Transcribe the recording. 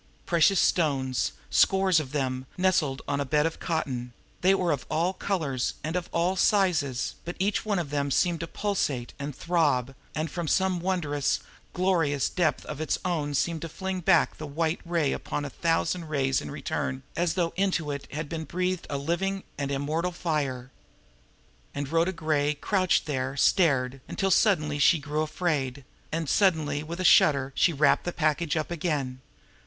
Precious stones, scores of them, nestled on a bed of cotton; they were of all colors and of all sizes but each one of them seemed to pulsate and throb, and from some wondrous, glorious depth of its own to fling back from the white ray upon it a thousand rays in return, as though into it had been breathed a living and immortal fire. And Rhoda Gray, crouched there, stared until suddenly she grew afraid, and suddenly with a shudder she wrapped the package up again.